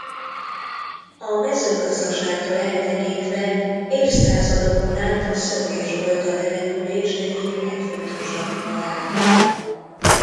A mezőgazdaságtól eltekintve évszázadokon át a szövés volt a település egyik legfontosabb iparága.